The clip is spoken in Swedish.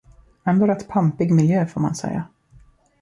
Ändå rätt pampig miljö, får man säga.